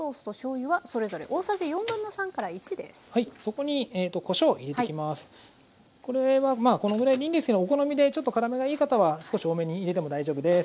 これはまあこのぐらいでいいんですけどお好みでちょっと辛めがいい方は少し多めに入れても大丈夫です。